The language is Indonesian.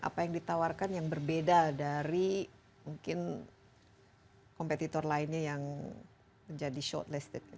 apa yang ditawarkan yang berbeda dari mungkin kompetitor lainnya yang menjadi short listrik